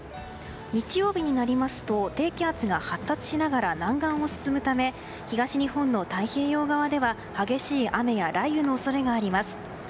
日曜日になりますと低気圧が発達しながら南岸を進むため東日本の太平洋側では激しい雨や雷雨の恐れがあります。